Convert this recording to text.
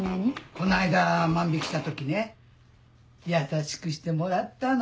この間万引した時ね優しくしてもらったの。